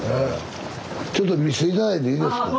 ちょっと見して頂いていいですか？